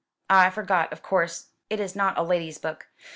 "Ah, I forgot. Of course, it is not a lady's book.